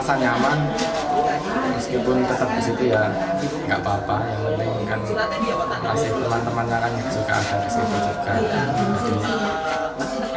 yang penting kan masih teman teman yang akan suka suka